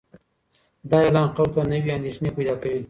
دا اعلان خلکو ته نوې اندېښنې پیدا کوي.